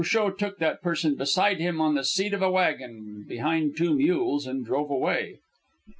Cruchot took that person beside him on the seat of a wagon, behind two mules, and drove away.